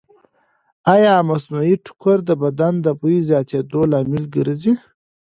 ایا مصنوعي ټوکر د بدن د بوی زیاتېدو لامل ګرځي؟